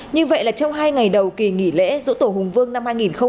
như vậy là trong hai ngày đầu kỳ nghỉ lễ dỗ tổ hùng vương năm hai nghìn hai mươi bốn